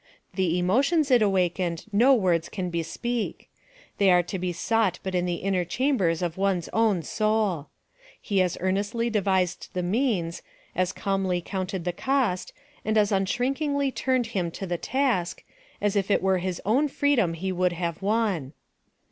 The emotions it awakened no words can bespeak! They are to be sought but in the inner chambers of one's own soul! He as earnestly devised the means, as calmly counted the cost, and as unshrinkingly turned him to the task, as if it were his own freedom he would have won.